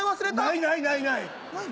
ないないないない！ないの？